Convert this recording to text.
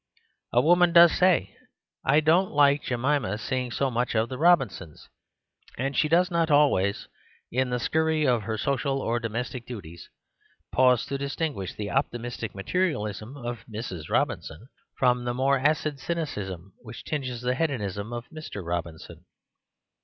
A woman does say "I don't like Jemima seeing so much of the Robinsons" ; and she does not always, in the scurry of her social or domestic duties, pause to distinguish the optimistic materialism of Mrs. Robinson from the more acid cynicism which tinges the hedonism of Mr. Robinson.